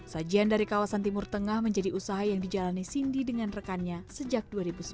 sajian dari kawasan timur tengah menjadi usaha yang dijalani cindy dengan rekannya sejak dua ribu sembilan